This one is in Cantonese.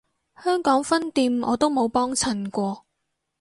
香港分店我都冇幫襯過